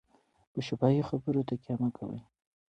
په شفاهي خبرو تکیه مه کوئ.